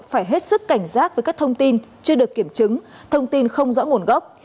phải hết sức cảnh giác với các thông tin chưa được kiểm chứng thông tin không rõ nguồn gốc